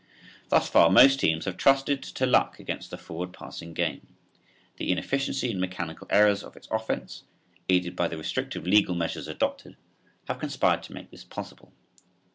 Thus far most teams have trusted to luck against the forward passing game. The inefficiency and mechanical errors of its offense, aided by the restrictive legal measures adopted, have conspired to make this possible.